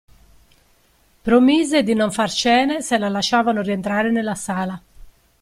Promise di non far scene se la lasciavano rientrare nella sala.